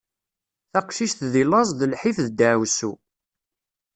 Taqcict deg laẓ d lḥif d ddaɛwessu.